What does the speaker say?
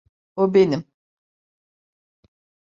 O benim!